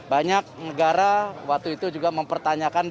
banyak negara waktu itu juga mempertanyakan